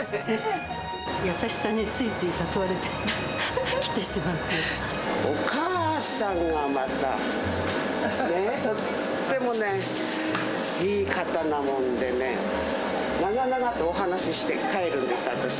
優しさについつい誘われて来お母さんがまた、ねぇ、とってもね、いい方なもんでね、長々とお話しして帰るんです、私。